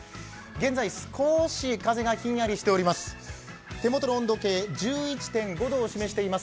現在、少し風がひんやりしております。